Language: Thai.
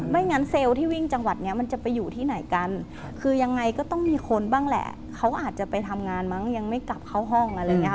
งั้นเซลล์ที่วิ่งจังหวัดนี้มันจะไปอยู่ที่ไหนกันคือยังไงก็ต้องมีคนบ้างแหละเขาอาจจะไปทำงานมั้งยังไม่กลับเข้าห้องอะไรอย่างนี้ค่ะ